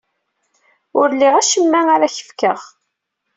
Ur liɣ acemma ara ak-fkeɣ.